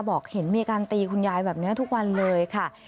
บอกเห็นมีการตีคุณยายแบบนี้ทุกวันเลยค่ะ